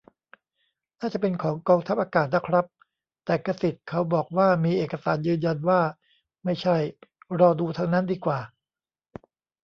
น่าจะเป็นของกองทัพอากาศนะครับ แต่กษิตเขาบอกว่ามีเอกสารยืนยันว่าไม่ใช่ รอดูทางนั้นดีกว่า